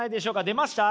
出ました？